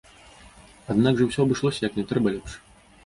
Аднак жа ўсё абышлося як не трэба лепш.